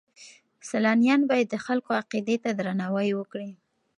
سیلانیان باید د خلکو عقیدې ته درناوی وکړي.